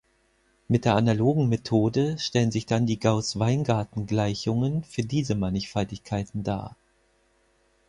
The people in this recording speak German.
Mit der analogen Methode stellen sich dann die Gauß-Weingarten-Gleichungen für diese Mannigfaltigkeiten dar.